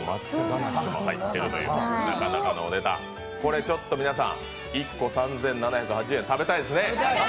これ、皆さん、１個３７８０円食べたいですね。